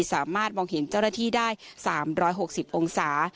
สามารถมองเห็นเจ้าหน้าที่ได้๓๖๐องศา